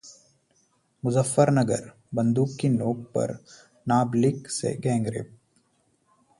मुजफ्फरनगर: बंदूक की नोक पर नाबालिग से गैंगरेप